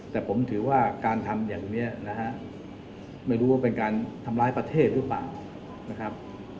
แต่ผมถือว่าการทำอย่างนี้นะฮะไม่รู้ว่าเป็นการทำร้ายประเทศหรือเปล่านะครับ